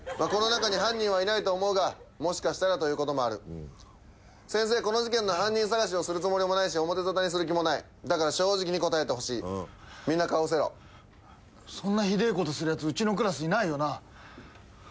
この中に犯人はいないと思うがもしかしたらということもある先生この事件の犯人捜しをするつもりもないし表沙汰にする気もないだから正直に答えてほしいみんな顔を伏せろそんなひでえことするやつうちのクラスいないよな？